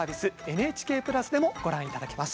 「ＮＨＫプラス」でもご覧頂けます。